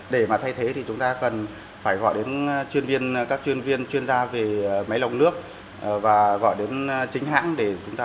để mà thay thế thì chúng ta cần phải gọi đến các chuyên viên chuyên gia về máy lồng nước và gọi đến chính hãng để chúng ta